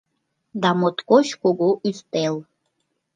Да моткоч кугу ӱстел